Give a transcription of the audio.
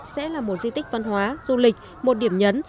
sẽ là một di tích văn hóa du lịch một điểm nhấn